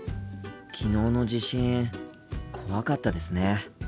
昨日の地震怖かったですね。